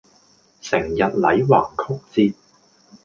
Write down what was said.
成日捩橫曲折